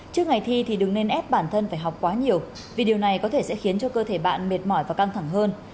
trước ngày thi thì đừng nên ép bản thân phải học quá nhiều vì điều này có thể sẽ khiến cho cơ thể bạn mệt mỏi và căng thẳng hơn